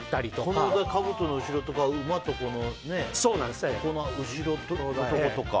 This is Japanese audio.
このかぶとの後ろとか馬との後ろのとことか。